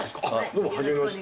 どうもはじめまして。